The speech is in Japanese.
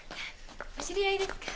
お知り合いですか？